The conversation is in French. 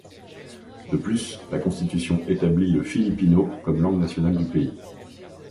De plus, la Constitution établit le filipino comme langue nationale du pays.